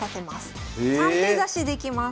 ３手指しできます。